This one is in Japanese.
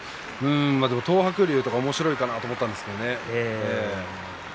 東白龍とかおもしろいかなと思ったんですがね。